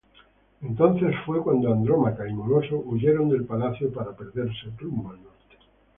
Entonces fue cuando Andrómaca y Moloso huyeron del palacio para perderse rumbo al norte.